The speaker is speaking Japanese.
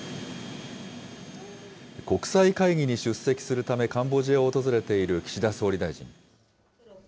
国際会議に出席するため、カンボジアを訪れている岸田総理大臣。